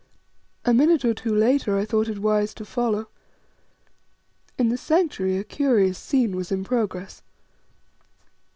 A minute or two later I thought it wise to follow. In the Sanctuary a curious scene was in progress.